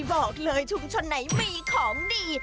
บอกเลยชุมชนไหนมีของดี